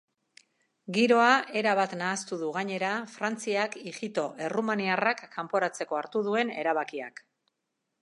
Giroa erabat nahastu du gainera frantziak ijito errumaniarrak kanporatzeko hartu duen erabakiak.